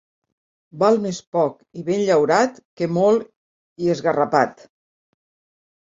Val més poc i ben llaurat que molt i esgarrapat.